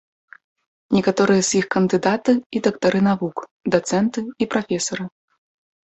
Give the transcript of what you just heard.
Некаторыя з іх кандыдаты і дактары навук, дацэнты і прафесары.